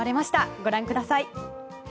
ご覧ください。